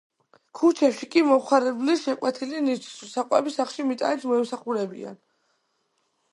ქუჩებში კი მომხმარებელს შეკვეთილი ნივთის, თუ საკვების სახლში მიტანით მოემსახურებიან.